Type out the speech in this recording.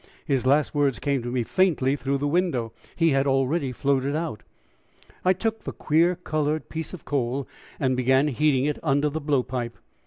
His last words came to me faintly through the window he had already floated out. I took the queer colored piece of coal, and began heating it under the blowpipe.